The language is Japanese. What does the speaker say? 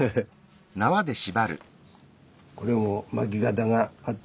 これも巻き方があってね